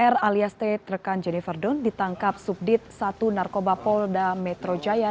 r alias t rekan jennifer don ditangkap subdit satu narkoba polda metro jaya